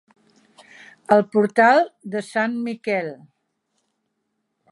El portal de Sant Miquel.